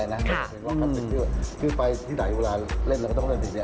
เป็นเพลงคลาสสิกที่ไฟที่ใดเวลาเล่นเราก็ต้องเล่นเพลงนี้